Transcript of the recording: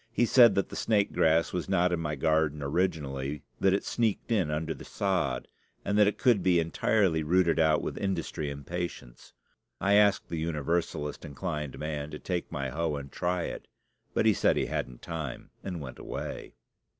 He said that the snake grass was not in my garden originally, that it sneaked in under the sod, and that it could be entirely rooted out with industry and patience. I asked the Universalist inclined man to take my hoe and try it; but he said he hadn't time, and went away.